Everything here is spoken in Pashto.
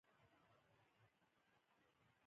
دا دښتې د صادراتو یوه برخه ده.